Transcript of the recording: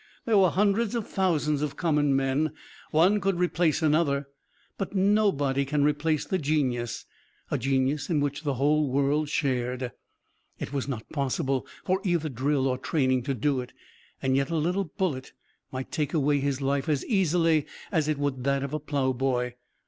There were hundreds of thousands of common men. One could replace another, but nobody could replace the genius, a genius in which the whole world shared. It was not possible for either drill or training to do it, and yet a little bullet might take away his life as easily as it would that of a plowboy.